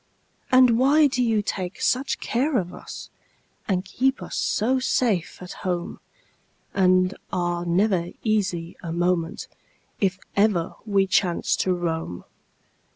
And why do you take such care of us, And keep us so safe at home, And are never easy a moment If ever we chance to roam?